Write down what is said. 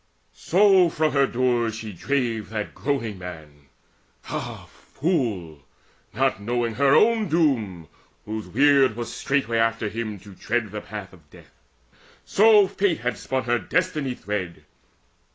So from her doors she drave that groaning man Ah fool! not knowing her own doom, whose weird Was straightway after him to tread the path Of death! So Fate had spun her destiny thread.